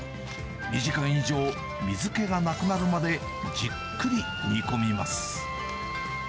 ２時間以上、水けがなくなるまでじっくり煮込みます。